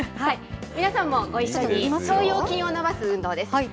皆さんもご一緒に、腸腰筋を伸ばす運動です。